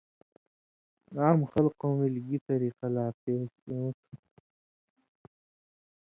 عام خلقوں ملیۡ گی طریۡقہ لا پیش اېوں تُھو